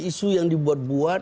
isu yang dibuat buat